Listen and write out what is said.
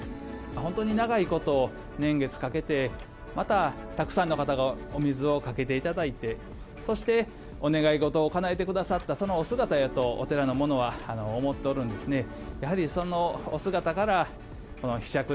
本当に長いこと年月かけて、また、たくさんの方がお水をかけていただいてそしてお願い事をかなえてくださった、そのお姿やとお寺の者は思っておるんですね。